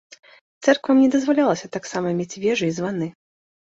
Цэрквам не дазвалялася таксама мець вежы і званы.